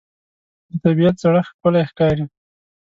د طبیعت زړښت ښکلی ښکاري